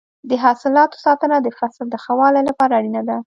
د حاصلاتو ساتنه د فصل د ښه والي لپاره اړینه ده.